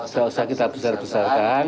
tidak usah kita besar besarkan